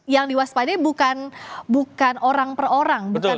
yang diwaspadai bukan orang per orang